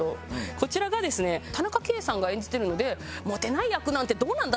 こちらがですね田中圭さんが演じてるので「モテない役なんてどうなんだ？」